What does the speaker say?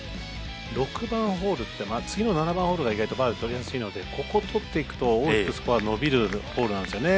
６番ホールって次の７番ホールが意外とバーディー取りやすいので、ここ取っていくと、大きくスコアが伸びるホールなんですよね。